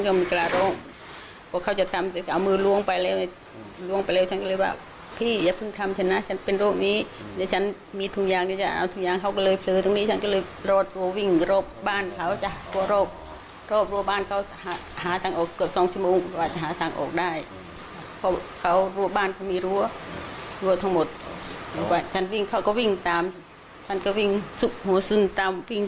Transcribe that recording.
คุณผู้ชมไปฟังเสียงผู้เสียหายเล่ากันหน่อยนะคะ